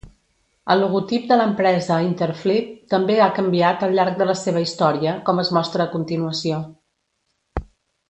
El logotip de l'empresa Interfleet també ha canviat al llarg de la seva història, com es mostra a continuació.